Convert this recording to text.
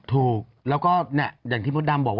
ถูกแล้วก็อย่างที่มดดำบอกว่า